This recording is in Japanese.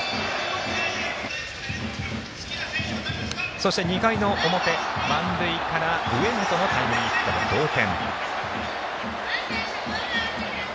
そして、２回の表満塁から上本のタイムリーヒットで同点。